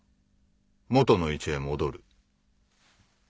元の位置へ戻る。